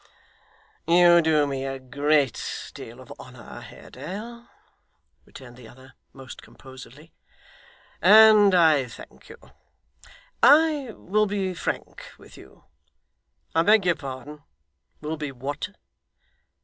'You do me a great deal of honour Haredale,' returned the other, most composedly, 'and I thank you. I will be frank with you ' 'I beg your pardon will be what?